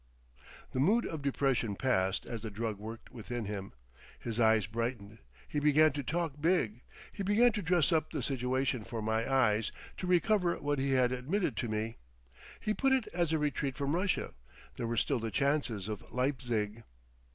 The mood of depression passed as the drug worked within him. His eyes brightened. He began to talk big. He began to dress up the situation for my eyes, to recover what he had admitted to me. He put it as a retreat from Russia. There were still the chances of Leipzig.